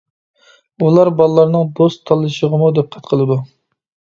ئۇلار بالىلارنىڭ دوست تاللىشىغىمۇ دىققەت قىلىدۇ.